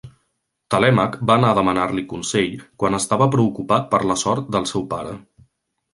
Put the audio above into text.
Telèmac va anar a demanar-li consell quan estava preocupat per la sort del seu pare.